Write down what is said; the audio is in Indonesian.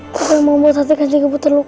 aku tidak mau membuat hati kanji ibu terluka